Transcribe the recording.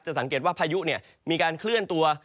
สังเกตว่าพายุมีการเคลื่อนตัว